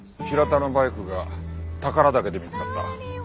平田のバイクが宝良岳で見つかった。